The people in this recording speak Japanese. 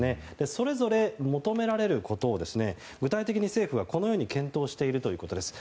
それぞれ求められることを具体的に政府はこのように検討しているということです。